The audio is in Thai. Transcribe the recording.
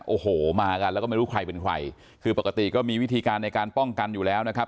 โอ้โหมากันแล้วก็ไม่รู้ใครเป็นใครคือปกติก็มีวิธีการในการป้องกันอยู่แล้วนะครับ